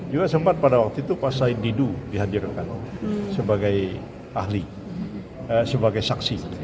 juga sempat pada waktu itu pak said didu dihadirkan sebagai ahli sebagai saksi